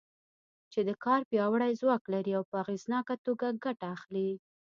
چې د کار پیاوړی ځواک لري او په اغېزناکه توګه ګټه اخلي.